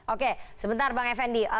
oke sebentar pak fnd